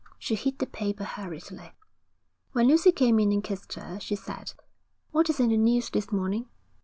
She hid the paper hurriedly. When Lucy came in and kissed her, she said: 'What is the news this morning?'